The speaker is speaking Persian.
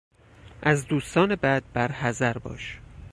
از دوستان بد برحذر باش!